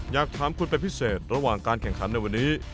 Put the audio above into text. อยากถามคุณเป็นพิเศษระหว่างการแข่งขันในวันนี้